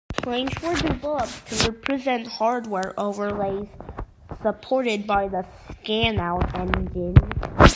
Planes were developed to represent hardware overlays supported by the scanout engine.